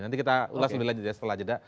nanti kita ulas lebih lanjut setelah jeda